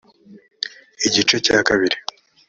igice cya kabiri